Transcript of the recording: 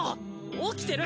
起きてる！